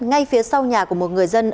ngay phía sau nhà của một người dân